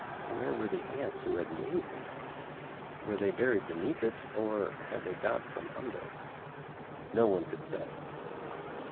Where were the ants who had made the nest? Were they buried beneath it? Or had they got from under? No one could say.